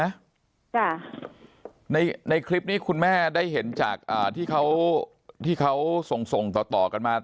ไหมในคลิปนี้คุณแม่ได้เห็นจากที่เขาที่เขาส่งต่อกันมา